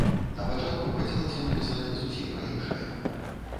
Напачатку хацелася напісаць зусім пра іншае.